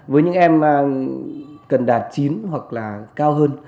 với những em cần đạt chín hoặc là cao hơn